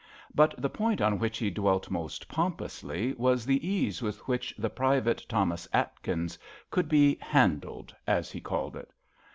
But the point on which he dwelt most pompously was the ease with which the Private Thomas Atkins could be handled,'* as he called it.